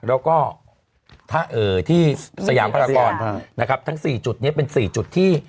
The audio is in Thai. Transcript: แล้วก็ที่สยามพรากรนะครับทั้ง๔จุดนี้เป็น๔จุดที่